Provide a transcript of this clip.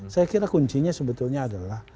saya kira kuncinya sebetulnya adalah